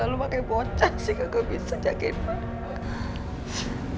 lalu makanya bocah pas misalnya kayak ketuk